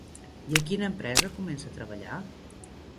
I a quina empresa comença a treballar?